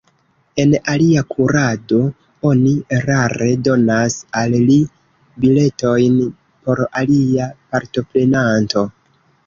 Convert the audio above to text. En alia kurado, oni erare donas al li biletojn por alia partoprenanto.